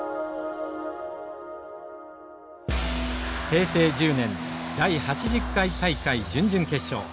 平成１０年第８０回大会準々決勝。